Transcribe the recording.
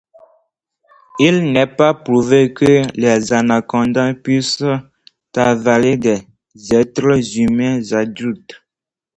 Il n'est pas prouvé que les anacondas puissent avaler des êtres humains adultes.